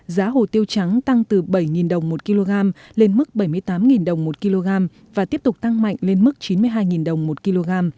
giá hồ tiêu trắng tăng từ bảy đồng một kg lên mức bảy mươi tám đồng một kg và tiếp tục tăng mạnh lên mức chín mươi hai đồng một kg